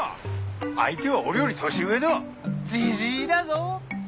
相手は俺より年上のジジイだぞ！